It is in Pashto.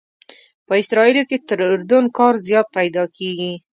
په اسرائیلو کې تر اردن کار زیات پیدا کېږي.